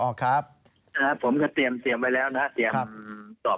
ครับผมก็เตรียมไว้แล้วนะครับเตรียมตอบข้อสัก๓แล้วก็